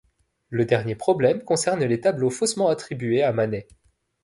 Le dernier problème concerne les tableaux faussement attribués à Manet.